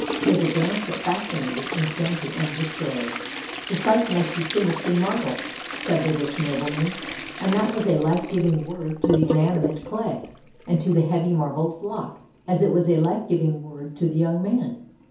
It was a glance that fascinated, enchanted, and destroyed. " The Psyche must be finished in marble," said the rich nobleman. And that was a life giving word to the inanimate clay and to the heavy marble block, as it was a life giving word to the young man.